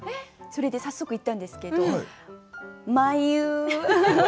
それで早速行ったんですけどまいうー！